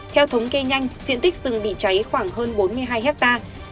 theo thống kê nhanh diện tích rừng bị cháy khoảng hơn bốn mươi hai hectare